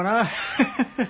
ハハハハ。